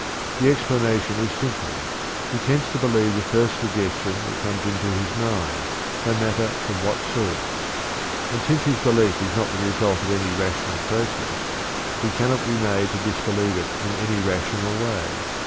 The explanation is simple: He tends to believe the first suggestion that comes into his mind, no matter from what source; and since his belief is not the result of any rational process, he cannot be made to disbelieve it in any rational way.